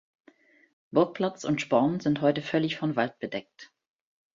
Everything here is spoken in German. Burgplatz und Sporn sind heute völlig von Wald bedeckt.